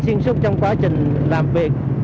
xuyên suốt trong quá trình làm việc